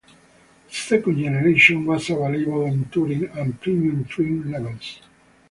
The second-generation was available in touring and premium trim levels.